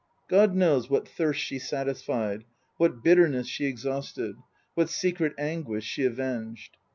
God knows what thirst she satisfied, what bitterness she exhausted, what secret anguish she avenged.